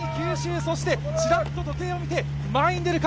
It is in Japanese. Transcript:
そしてちらっと時計を見て、前に出るか。